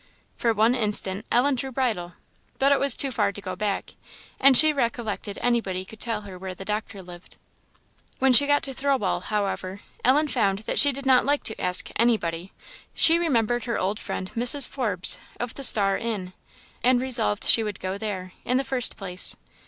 For one instant Ellen drew bridle, but it was too far to go back, and she recollected anybody could tell her where the doctor lived. When she got to Thirlwall, however, Ellen found that she did not like to ask anybody. She remembered her old friend Mrs. Forbes, of the Star inn, and resolved she would go there, in the first place.